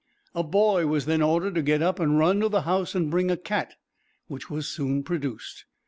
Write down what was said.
A boy was then ordered to get up, run to the house, and bring a cat, which was soon produced.